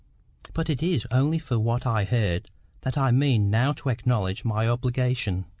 But it is only for what I heard that I mean now to acknowledge my obligation.